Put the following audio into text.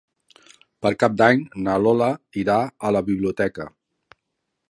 Per Cap d'Any na Lola irà a la biblioteca.